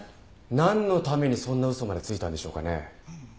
なんのためにそんな嘘までついたんでしょうかね。